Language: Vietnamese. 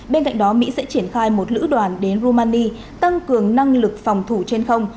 bên cạnh đó mỹ sẽ triển khai một lữ đoàn đến rumani tăng cường năng lực phòng thủ trên không